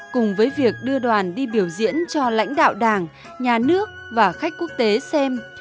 cùng với việc đưa đoàn đi biểu diễn cho lãnh đạo đảng nhà nước và khách quốc tế xem